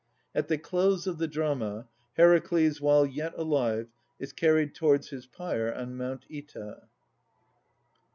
At the close of the drama, Heracles, while yet alive, is carried towards his pyre on Mount Oeta.